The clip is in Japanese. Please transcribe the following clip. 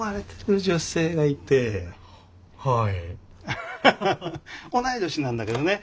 アハハハ同い年なんだけどね